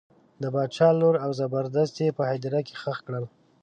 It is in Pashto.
د باچا لور او زبردست یې په هدیره کې ښخ کړل.